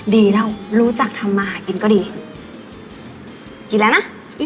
ดีเท่ารู้จักทำมาหากินก็ดีกินแล้วนะ